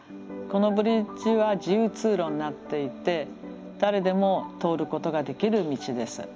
このブリッジは自由通路になっていて誰でも通ることができる道です。